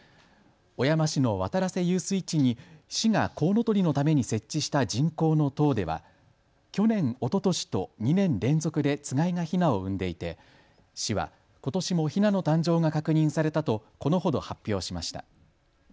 小山市の渡良瀬遊水地に市がコウノトリのために設置した人工の塔では去年、おととしと２年連続でつがいがヒナを産んでいて市は、ことしもヒナの誕生が確認されたとこのほど発表しました。